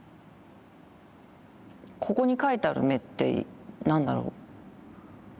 ここに描いてある目って何だろう